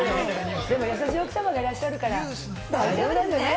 でも優しい奥さまがいらっしゃるから、大丈夫ですね。